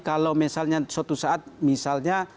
kalau misalnya suatu saat misalnya